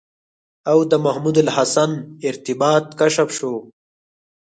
او د محمودالحسن ارتباط کشف شو.